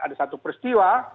ada satu peristiwa